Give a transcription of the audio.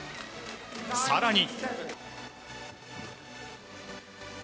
更に。